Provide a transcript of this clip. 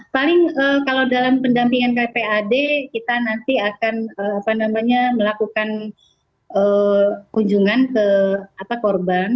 paling kalau dalam pendampingan kpad kita nanti akan melakukan kunjungan ke korban